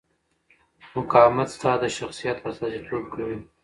مقاومت ستا د شخصیت استازیتوب کوي.